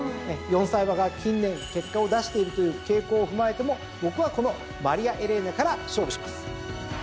４歳馬が近年結果を出しているという傾向を踏まえても僕はこのマリアエレーナから勝負します。